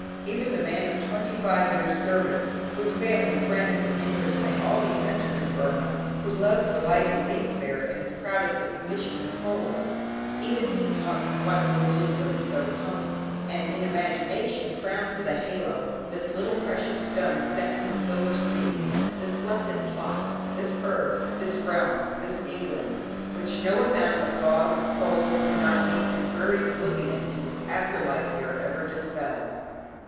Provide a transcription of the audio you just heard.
Even the man of twenty five years service whose family, friends, and interests may be all centred in Burmah, who loves the life he leads there, and is proud of the position he holds, even he talks of what he will do when he "goes home," and in imagination crowns with a halo "this little precious stone set in the silver sea, this blessed plot, this earth, this realm, this England," which no amount of fog, cold, monotony, and dreary oblivion in his after life here, ever dispels.